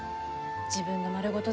自分の丸ごと